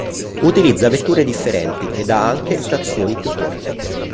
Utilizza vetture differenti ed ha anche stazioni più corte.